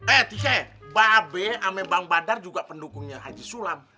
eh tika mbak be sama bang badar juga pendukungnya haji sulam